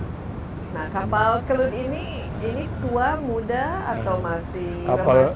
nah kapal kelut ini ini tua muda atau masih